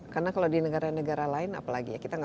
karena kalau di negara negara lain apalagi ya